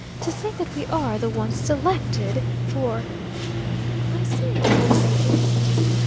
To think that we are the ones selected for " "I say, uncle Phaeton."